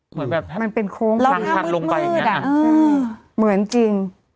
เหมือนแบบมันเป็นโค้งลงไปอย่างเงี้ยเออเหมือนจริง